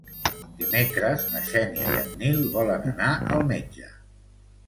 Dimecres na Xènia i en Nil volen anar al metge.